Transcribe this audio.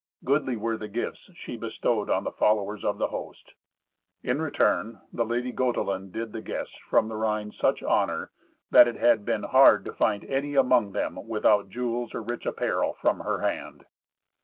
Goodly were the gifts she bestowed on the followers of the host. In return, the lady Gotelind did the guests from the Rhine such honour that it had been hard to find any among them without jewels or rich apparel from her hand.